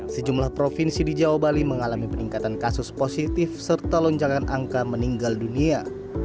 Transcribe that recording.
sejumlah provinsi di jawa bali mengalami peningkatan kasus positif serta lonjakan angka meninggal dunia